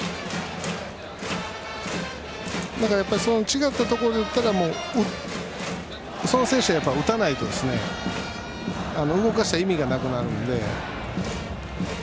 だから、違ったところに行ったらその選手は打たないと動かした意味がなくなるので。